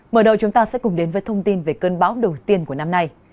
mở đầu chúng ta sẽ cùng đến với thông tin về cơn bão đầu tiên của năm nay